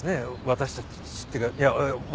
私たちっていうか。